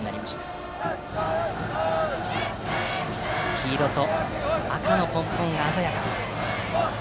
黄色と赤のポンポンが鮮やかです。